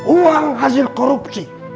uang hasil korupsi